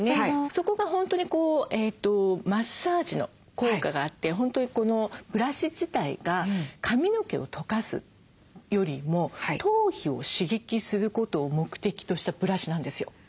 そこが本当にマッサージの効果があって本当にこのブラシ自体が髪の毛をとかすよりも頭皮を刺激することを目的としたブラシなんですよ。